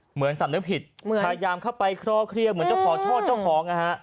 เหมือนสำนึกผิดพยายามเข้าไปเคราะห์เครียมเหมือนเจ้าพ่อโทษเจ้าของ